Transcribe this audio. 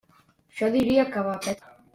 Jo diria que va pet.